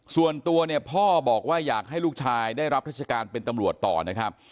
ส่วนตัวเนี่ยพ่อบอกว่าอยากให้ลูกชายได้รับราชการเป็นตำรวจต่อนะครับ